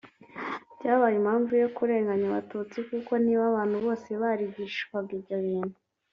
Byabaye impanvu yo kurenganya Abatutsi kuko niba abantu bose barigishwaga ibyo bintu